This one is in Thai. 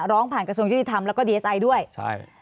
ร้องผ่านกระทรวงยุติธรรมแล้วก็ดีเอสไอด้วยใช่